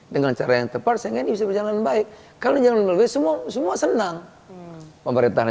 dengan cara yang tepat saya ini sejalan baik kalau jangan lebih semua semua senang pemerintahnya